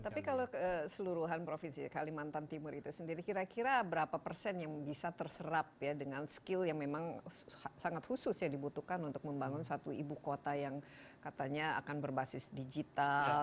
tapi kalau keseluruhan provinsi kalimantan timur itu sendiri kira kira berapa persen yang bisa terserap ya dengan skill yang memang sangat khusus ya dibutuhkan untuk membangun suatu ibu kota yang katanya akan berbasis digital